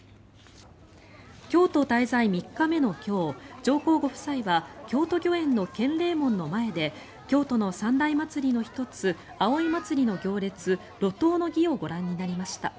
京都滞在３日目の今日上皇ご夫妻は京都御苑の建礼門の前で京都の三大祭りの１つ葵祭の行列、路頭の儀をご覧になりました。